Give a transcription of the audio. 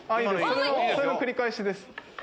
それの繰り返しです。